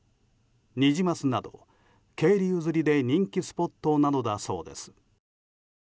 ニジマスなど渓流釣りで人気スポットなのだそうです。